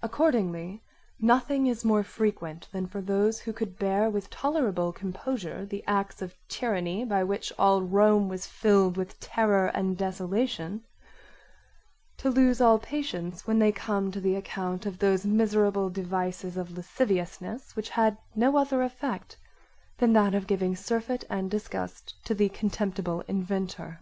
Accordingly nothing is more frequent than for those who could bear with tolerable composure the acts of tyranny by which all Rome was filled with terror and desolation to lose all patience when they come to the account of those miserable devices of lasciviousness which had no other effect than that of giving surfeit and disgust to the contemptible inventor.